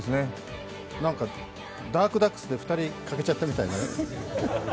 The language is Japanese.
なんかダークダックスで２人欠けちゃったみたいな。